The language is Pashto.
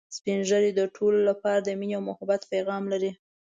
سپین ږیری د ټولو لپاره د ميني او محبت پیغام لري